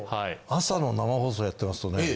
朝の生放送やってますとね